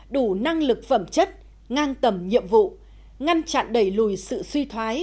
đủ năng lực phẩm chất ngang tầm nhiệm vụ ngăn chặn đẩy lùi sự suy thoái